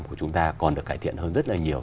của chúng ta còn được cải thiện hơn rất là nhiều